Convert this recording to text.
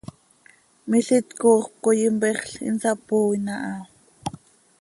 Milít copxöt coi mpexl, insapooin aha.